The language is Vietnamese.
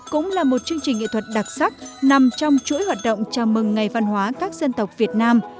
cũng là một chương trình nghệ thuật đặc sắc nằm trong chuỗi hoạt động chào mừng ngày văn hóa các dân tộc việt nam